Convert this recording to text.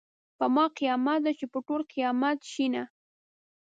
په ما قیامت ده چې په ټولو قیامت شینه .